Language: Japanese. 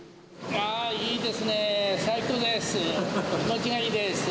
あー、いいですねー。